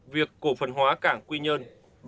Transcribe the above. việc cổ phần hóa cảng quy nhơn